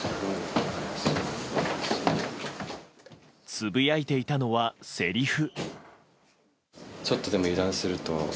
つぶやいていたのは、せりふ。